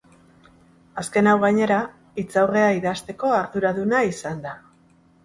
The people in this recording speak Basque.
Azken hau, gainera, hitzaurrea idazteko arduraduna izan da.